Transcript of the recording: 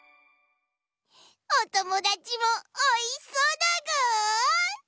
おともだちもおいしそうだぐ！